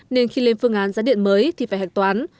nên khi lên phương án giá điện mới thì phải hạch toán